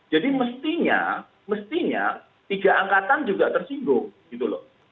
jadi mestinya mestinya tiga angkatan juga tersinggung